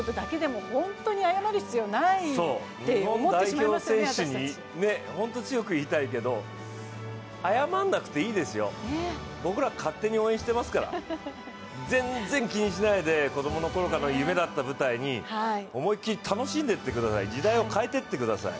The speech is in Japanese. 日本代表選手に本当に強く言いたいけど謝らなくていいですよ、僕ら勝手に応援してますから全然気にしないで、子供の頃からの夢だった舞台に思い切り楽しんでってください時代を変えてってください。